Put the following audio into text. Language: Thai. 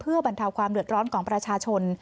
เพื่อบรรเทาความเดือดร้อนของประชาชน